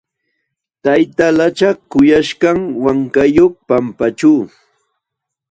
Tayta lachak kuyaśhqam wankayuq pampaćhu.